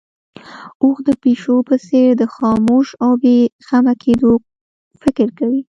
اوښ د پيشو په څېر د خاموش او بې غمه کېدو فکر کوي.